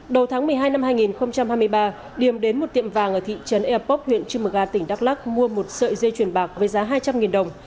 đầu tháng một mươi hai năm hai nghìn hai mươi ba điểm đến một tiệm vàng ở thị trấn airpop huyện trưng mực a tỉnh đắk lắc mua một sợi dây chuyển bạc với giá hai đồng